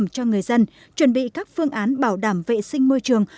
cho người dân chuẩn bị các phương án bảo đảm vệ sinh môi trường